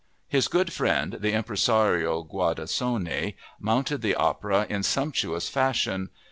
His good friend, the impresario Guardasoni, mounted the opera in sumptuous fashion.